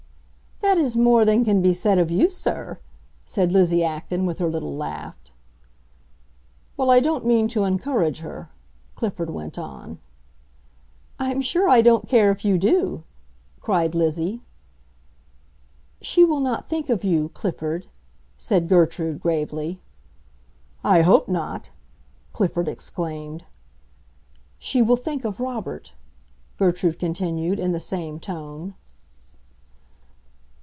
"That is more than can be said of you, sir," said Lizzie Acton, with her little laugh. "Well, I don't mean to encourage her," Clifford went on. "I'm sure I don't care if you do!" cried Lizzie. "She will not think of you, Clifford," said Gertrude, gravely. "I hope not!" Clifford exclaimed. "She will think of Robert," Gertrude continued, in the same tone.